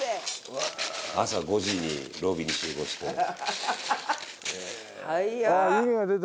朝５時にロビーに集合して。